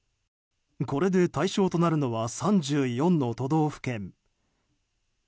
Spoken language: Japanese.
これで対象となるのは３４の都道府県。